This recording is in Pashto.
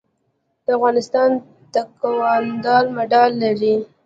د افغانستان تکواندو مډال لري